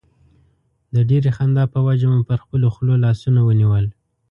د ډېرې خندا په وجه مو پر خپلو خولو لاسونه ونیول.